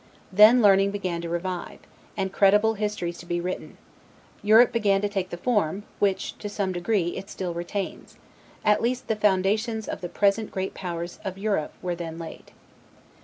Then learning began to revive, and credible histories to be written; Europe began to take the form, which, to some degree, it still retains: at least the foundations of the present great powers of Europe were then laid.